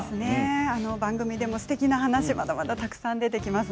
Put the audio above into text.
番組でもすてきな話まだまだたくさん出てきます。